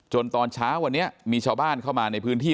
ตอนเช้าวันนี้มีชาวบ้านเข้ามาในพื้นที่